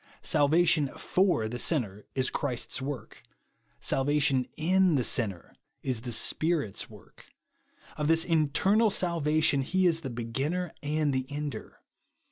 Salvation /or the sinner is Christ's work ; salvation in the sinner is the Spirit's work. Of this internal salvation he is the beginner and the ender.